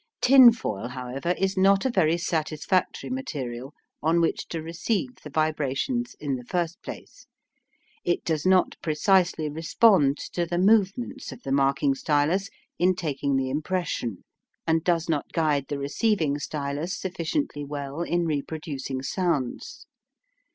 Tinfoil, however, is not a very satisfactory material on which to receive the vibrations in the first place. It does not precisely respond to the movements of the marking stylus in taking the impression, and does not guide the receiving stylus sufficiently well in reproducing sounds.